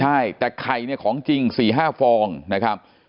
ใช่แต่ไข่เนี่ยของจริง๔๕ฟองนะครับ